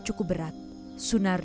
dalam ram footage